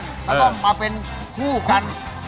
ต้องมาเป็นคู่กัน